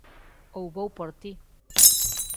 Ou vou por ti.